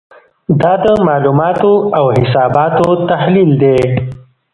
دا د معلوماتو او حساباتو تحلیل دی.